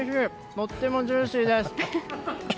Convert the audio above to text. とってもジューシーです。